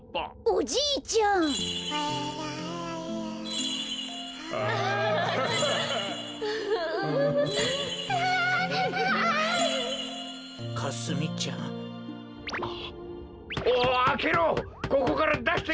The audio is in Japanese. おじいちゃんよし！